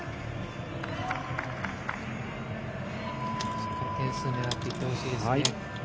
しっかり点数を狙っていってほしいですね。